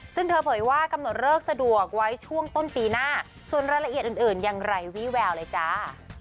ซึ่งเธอเผยว่ากำหนดเลิกสะดวกไว้ช่วงต้นปีหน้าส่วนรายละเอียดอื่นยังไร้วี่แววเลยจ้า